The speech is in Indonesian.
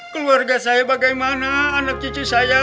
keluarga saya bagaimana anak cucu saya